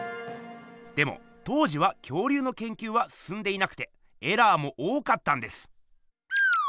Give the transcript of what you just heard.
でも当時は恐竜のけんきゅうはすすんでいなくてエラーも多かったんです。